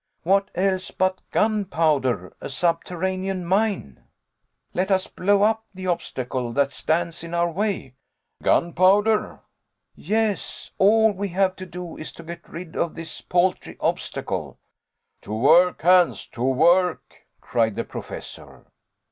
"What else but gunpowder, a subterranean mine? Let us blow up the obstacle that stands in our way." "Gunpowder!" "Yes; all we have to do is to get rid of this paltry obstacle." "To work, Hans, to work!" cried the Professor.